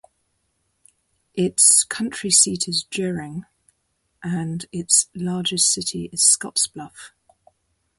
Its county seat is Gering, and its largest city is Scottsbluff.